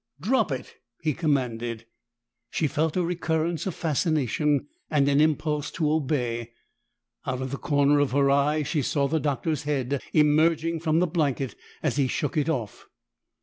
"Drop it!" he commanded. She felt a recurrence of fascination, and an impulse to obey. Out of the corner of her eye, she saw the Doctor's head emerging from the blanket as he shook it off.